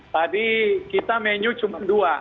tadi kita menu cuma dua